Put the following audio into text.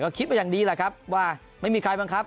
ก็คิดไปอย่างดีแหละครับว่าไม่มีใครบังคับ